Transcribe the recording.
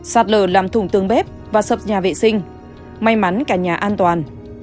sạt lờ làm thùng tường bếp và sập nhà vệ sinh may mắn cả nhà an toàn